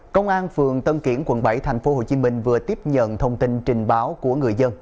công an phường tân kiển quận bảy tp hcm vừa tiếp nhận thông tin trình báo của người dân